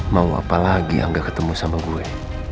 mau apa lagi angga ketemu sama gue